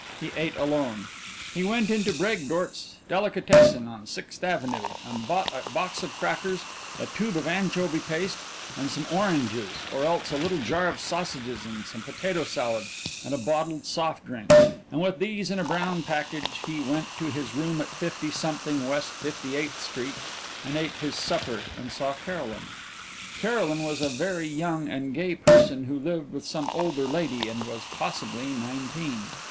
He ate alone. He went into Braegdort's delicatessen on Sixth Avenue and bought a box of crackers, a tube of anchovy paste, and some oranges, or else a little jar of sausages and some potato salad and a bottled soft drink, and with these in a brown package he went to his room at Fifty something West Fifty eighth Street and ate his supper and saw Caroline. Caroline was a very young and gay person who lived with some older lady and was possibly nineteen.